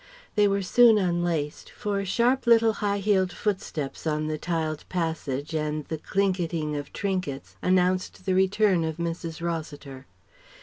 They were soon unlaced, for sharp little high heeled footsteps on the tiled passage and the clinketing of trinkets announced the return of Mrs. Rossiter.